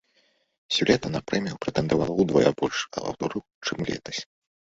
Сёлета на прэмію прэтэндавала ўдвая больш аўтараў, чым летась.